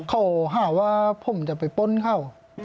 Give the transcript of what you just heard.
เขาหาว่าผมจะไปป้นเขา